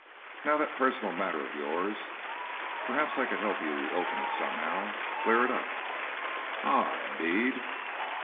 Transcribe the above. "Now that personal matter of yours Perhaps I could help you reopen it somehow, clear it up." "Ah! Indeed!"